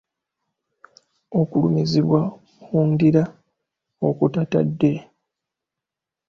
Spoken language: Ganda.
Okulumizibwa mu ndira okutatadde.